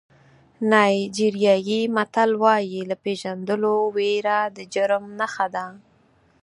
نایجیریایي متل وایي له پېژندلو وېره د جرم نښه ده.